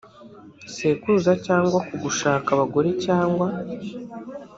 sekuruza cyangwa ku gushaka abagore cyangwa